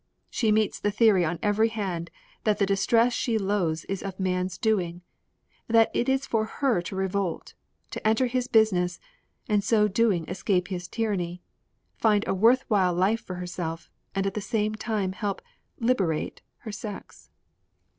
She meets the theory on every hand that the distress she loathes is of man's doing, that it is for her to revolt, to enter his business, and so doing escape his tyranny, find a worth while life for herself, and at the same time help "liberate" her sex.